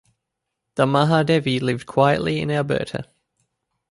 The Mahadevi lived quietly in Alberta.